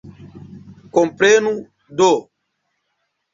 Komprenu do!